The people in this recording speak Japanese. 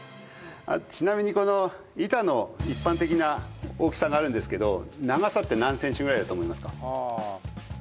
ちなみにこの板の一般的な大きさがあるんですけど長さって何センチぐらいだと思いますか？